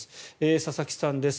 佐々木さんです。